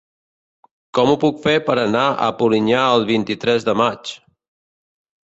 Com ho puc fer per anar a Polinyà el vint-i-tres de maig?